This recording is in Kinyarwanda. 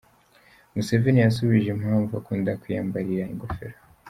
Museveni yasubije impamvu akunda kwiyambarira ingofero.